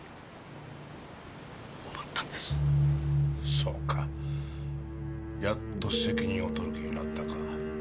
そうかやっと責任を取る気になったか。